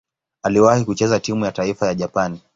Aliwahi kucheza timu ya taifa ya Japani.